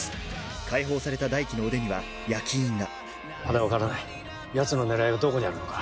解放された大樹の腕には焼き印がまだ分からないヤツの狙いがどこにあるのか。